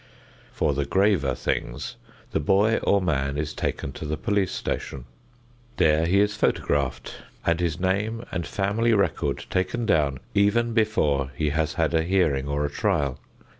For the graver things, the boy or man is taken to the police station. There he is photographed and his name and family record taken down even before he has had a hearing or a trial.